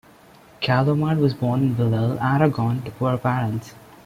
Calomarde was born in Villel, Aragon, to poor parents.